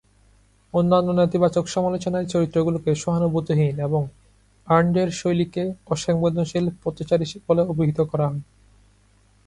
অন্যান্য নেতিবাচক সমালোচনায় চরিত্রগুলোকে সহানুভূতিহীন এবং র্যান্ডের শৈলীকে "অসংবেদনশীল পথচারী" বলে অভিহিত করা হয়।